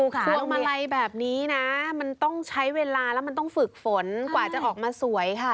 พวงมาลัยแบบนี้นะมันต้องใช้เวลาแล้วมันต้องฝึกฝนกว่าจะออกมาสวยค่ะ